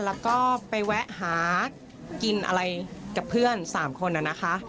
แล้วก็ไปแวะหากินอะไรกับเพื่อน๓คนนะคะ